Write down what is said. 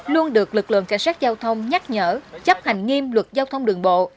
luôn được lực lượng cảnh sát giao thông nhắc nhở chấp hành nghiêm luật giao thông đường bộ